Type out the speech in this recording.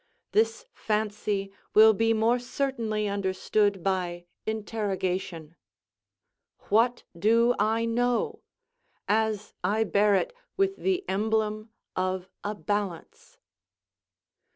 This fancy will be more certainly understood by interrogation: "What do I know?" as I bear it with the emblem of a balance.